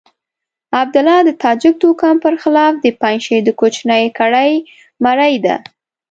عبدالله د تاجک توکم پر خلاف د پنجشير د کوچنۍ کړۍ مرۍ ده.